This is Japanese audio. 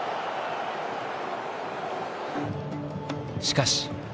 しかし。